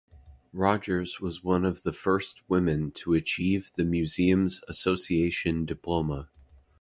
Rodgers was one of the first women to achieve the Museums Association Diploma.